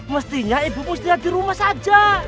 mestinya ibu musti hati rumah saja